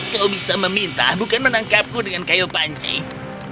kau bisa meminta bukan menangkapku dengan kail pengenya